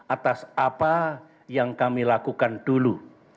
atas apa yang kami lakukan dulu